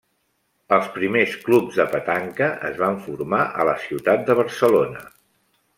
Els primers clubs de petanca es van formar a la ciutat de Barcelona.